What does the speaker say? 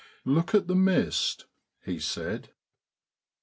"Look at the mist," he said.